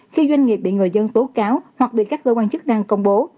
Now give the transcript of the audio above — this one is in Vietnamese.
khi doanh nghiệp bị người dân tố cáo hoặc bị các cơ quan chức năng công bố